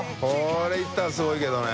海いったらすごいけどね。